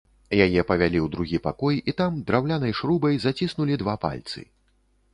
Яе павялі ў другі пакой і там драўлянай шрубай заціснулі два пальцы.